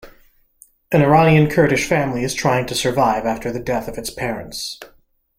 An Iranian Kurdish family is trying to survive after the death of its parents.